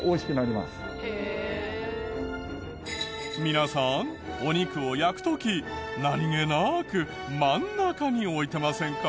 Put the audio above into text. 皆さんお肉を焼く時何げなく真ん中に置いてませんか？